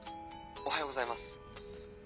おはようございます。